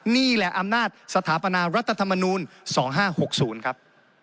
นี่แหละอำนาจสถาปนารัฐธรรมนูล๒๕๖๐ครับ